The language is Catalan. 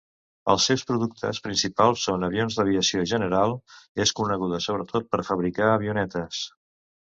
Els seus productes principals són avions d'aviació general, és coneguda sobretot per fabricar avionetes.